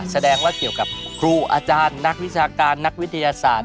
แสดงว่าเกี่ยวกับครูอาจารย์นักวิชาการนักวิทยาศาสตร์